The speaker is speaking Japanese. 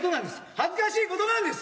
恥ずかしいことなんです！